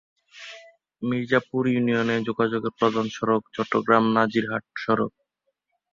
মির্জাপুর ইউনিয়নে যোগাযোগের প্রধান সড়ক চট্টগ্রাম-নাজিরহাট সড়ক।